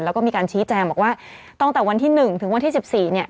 แล้วก็มีการชี้แจงบอกว่าตั้งแต่วันที่๑ถึงวันที่๑๔เนี่ย